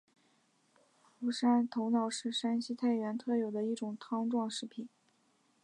傅山头脑是山西太原特有的一种汤状食品。